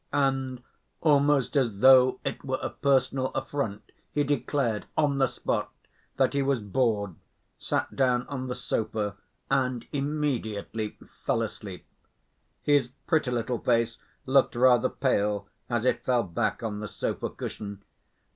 And, almost as though it were a personal affront, he declared, on the spot, that he was bored, sat down on the sofa and immediately fell asleep. His pretty little face looked rather pale, as it fell back on the sofa cushion.